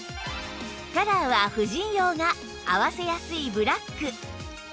カラーは婦人用が合わせやすいブラック